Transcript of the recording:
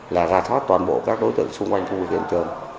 là ra thoát toàn bộ các đối tượng xung quanh khu huyện trường